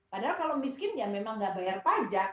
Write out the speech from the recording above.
padahal kalau miskin ya memang nggak bayar pajak